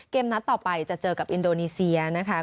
นัดต่อไปจะเจอกับอินโดนีเซียนะคะ